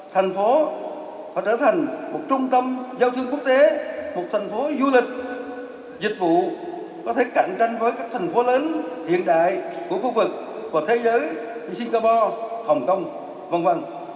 thành phố phải trở thành một trung tâm giao thương quốc tế một thành phố du lịch dịch vụ có thể cạnh tranh với các thành phố lớn hiện đại của khu vực và thế giới như singapore hồng kông v v